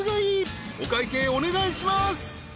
［お会計お願いします］